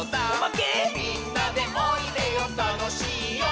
「みんなでおいでよたのしいよ」